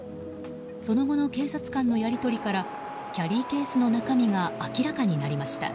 その後の警察官のやり取りからキャリーケースの中身が明らかになりました。